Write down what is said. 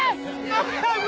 やったぞ！